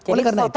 oleh karena itu